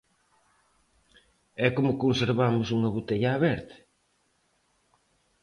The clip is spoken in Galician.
E como conservamos unha botella aberta?